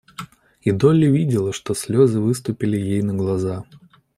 И Долли видела, что слезы выступили ей на глаза.